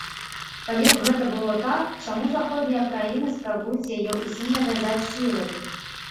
Калі б гэта было так, чаму заходнія краіны спрабуюць яе ўсім навязаць сілай?